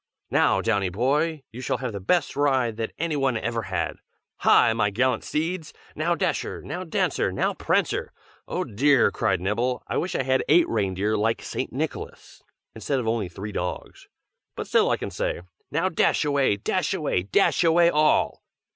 "Now, Downy boy, you shall have the best ride that any one ever had. Hi! my gallant steeds! Now Dasher, now Dancer, now Prancer! Oh, dear!" cried Nibble, "I wish I had eight reindeer like St. Nicholas, instead of only three dogs. But still I can say, 'Now dash away, dash away, dash away all!'"